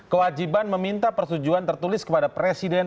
kewajiban meminta persetujuan tertulis kepada presiden